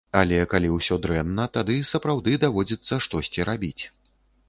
Але калі ўсё дрэнна, тады сапраўды даводзіцца штосьці рабіць.